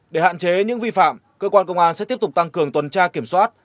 để hạn chế những vi phạm cơ quan công an sẽ tiếp tục tăng cường tuần tra kiểm soát